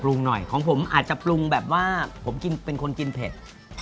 หน่อยของผมอาจจะปรุงแบบว่าผมกินเป็นคนกินเผ็ด